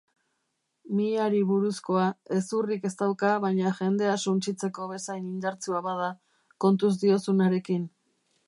Mihiari buruzkoa: hezurrik ez dauka baina jendea suntsitzeko bezain indartsua bada, kontuz diozunarekin.